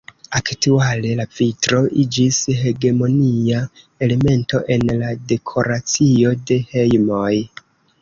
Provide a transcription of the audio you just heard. Aktuale, la vitro iĝis hegemonia elemento en la dekoracio de hejmoj.